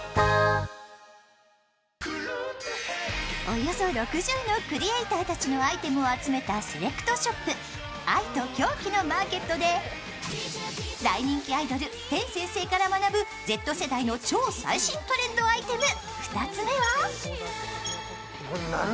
およそ６０のクリエーターたちのアイテムを集めたセレクトショップ、愛と狂気のマーケットで大人気アイドル、天先生から学ぶＺ世代の超最新トレンドアイテム